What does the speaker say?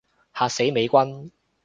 嚇死美軍